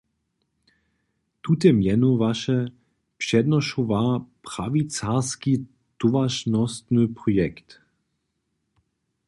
Tute mjenowaše přednošowar prawicarski towaršnostny projekt.